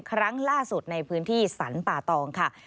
ครั้งล่าสุดในพื้นที่สรรป่าตองค่ะ